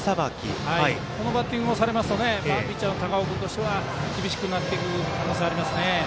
このバッティングをされますとピッチャーの高尾君としては厳しくなってくる可能性があります。